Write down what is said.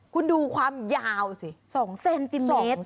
คุณดูความยาวสิ๒เซนติเมตร